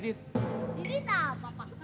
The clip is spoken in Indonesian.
di dis apa pak